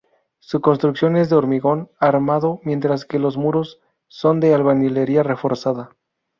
Su construcción es de hormigón armado, mientras que los muros son de albañilería reforzada.